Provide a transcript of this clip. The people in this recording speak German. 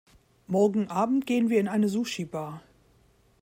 Morgenabend gehen wir in eine Sushibar.